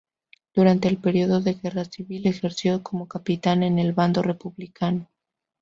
Durante el periodo de Guerra Civil ejerció como capitán en el bando republicano.